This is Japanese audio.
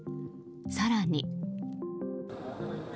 更に。